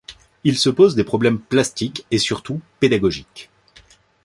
Il se pose des problèmes plastiques et surtout pédagogiques.